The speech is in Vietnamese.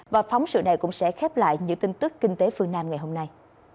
và phóng sự này cũng sẽ khép lại những tin tức kinh tế phương nam ngày hôm nay